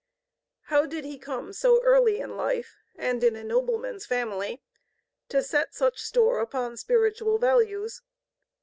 How did he come so early in life, and in a nobleman's family, to set such store upon spiritual values?